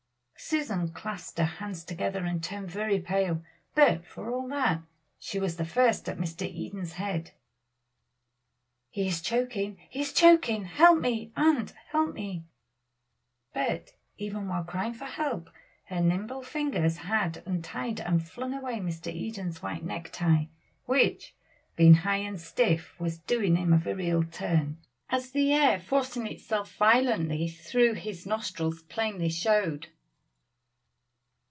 Susan clasped her hands together and turned very pale; but for all that she was the first at Mr. Eden's head; "he is choking! he is choking! help me, aunt, help me!" but even while crying for help her nimble fingers had untied and flung away Mr. Eden's white neck tie, which, being high and stiff, was doing him a very ill turn, as the air forcing itself violently through his nostrils plainly showed.